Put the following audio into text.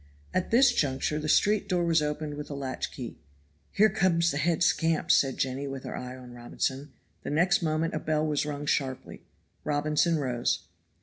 At this juncture the street door was opened with a latch key. "Here comes the head scamp,' said Jenny, with her eye on Robinson. The next moment a bell was rung sharply. Robinson rose.